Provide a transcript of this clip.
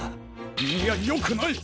いやよくない！